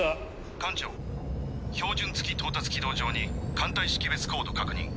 艦長標準月到達軌道上に艦隊識別コード確認。